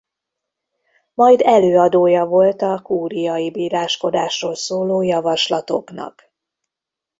Majd előadója volt a kúriai bíráskodásról szóló javaslatoknak.